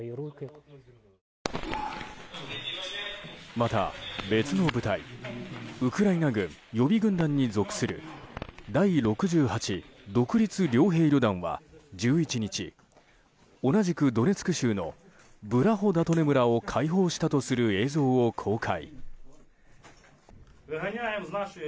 また、別の部隊ウクライナ軍予備軍団に属する第６８独立猟兵旅団は１１日同じくドネツク州のブラホダトネ村を解放したとする映像を公開。